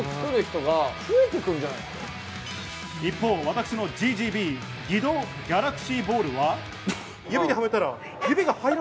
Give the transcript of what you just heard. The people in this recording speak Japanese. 一方、私のＧＧＢ、義堂ギャラクシーボールは。